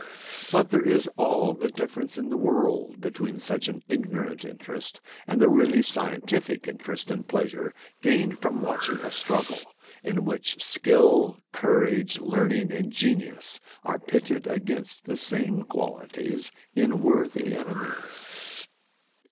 But there is all the difference in the world between such an ignorant interest and the really scientific interest and pleasure gained from watch ing a struggle in which skill, courage, learning, and genius are pitted against the same qualities in worthy enemies.